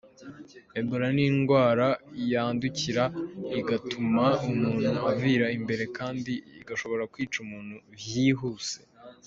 Ebola n'ingwara yandukira igatuma umuntu avira imbere kandi igashobora kwica umuntu vyihuse.